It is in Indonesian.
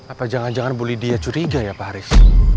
apa jangan jangan bu lydia curiga ya pak haris